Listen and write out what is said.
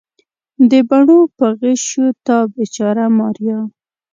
د بڼو په غشیو تا بیچاره ماریا